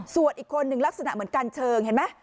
ส่วนอีกคนนึงลักษณะเหมือนกันเชิงเห็นไหม